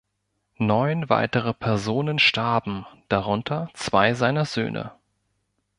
Neun weitere Personen starben, darunter zwei seiner Söhne.